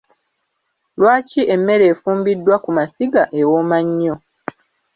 Lwaki emmere efumbiddwa ku masiga ewooma nnyo?